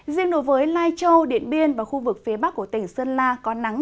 riêng đối với lai châu điện biên và khu vực phía bắc của tỉnh sơn la có nắng